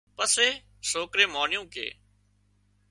پسي سوڪري مانيون ڪي